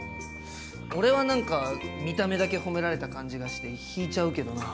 俺はなんか見た目だけ褒められた感じがして引いちゃうけどなぁ。